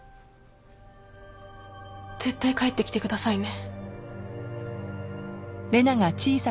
絶対帰ってきてくださいね。